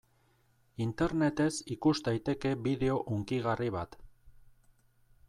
Internetez ikus daiteke bideo hunkigarri bat.